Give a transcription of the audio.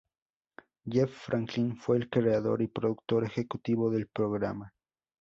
Jeff Franklin fue el creador y productor ejecutivo del programa.